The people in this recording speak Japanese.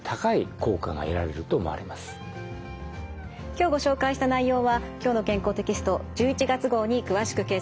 今日ご紹介した内容は「きょうの健康」テキスト１１月号に詳しく掲載されています。